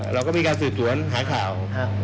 เราก็มีการสืบสวนหาข่าว